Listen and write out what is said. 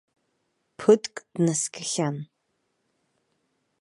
Ԥыҭк днаскьахьан.